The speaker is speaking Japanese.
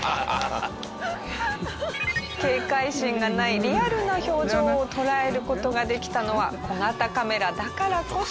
警戒心がないリアルな表情を捉える事ができたのは小型カメラだからこそ。